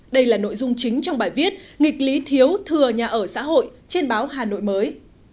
đây là nội dung chính trong bài viết nghịch lý thiếu thừa nhà ở xã hội trên báo hà nội mới